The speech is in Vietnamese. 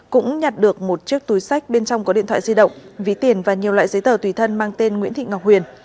cũng nhặt được một chiếc túi sách bên trong có điện thoại di động ví tiền và nhiều loại giấy tờ tùy thân mang tên nguyễn thị ngọc huyền